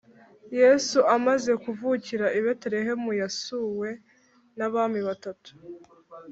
Yesu amaze kuvukira i Betelehemu yasuwe n’abami batatu